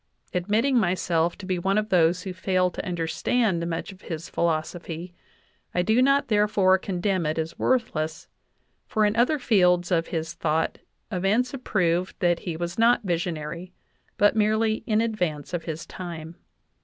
Admitting myself to be one of those who fail to under stand much of his philosophy, I do not therefore condemn it as worthless, for in other fields of his thought events have proved that Vie was not visionary, but merely in advance of his time."